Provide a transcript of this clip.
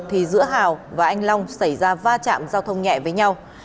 thì giữa hào và anh long xảy ra va chạm giao thông nhẹ với nhau